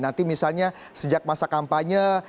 nanti misalnya sejak masa kampanye